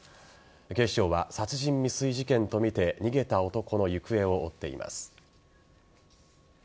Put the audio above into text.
警視庁は殺人未遂事件とみて逃げた男の行方を追っています。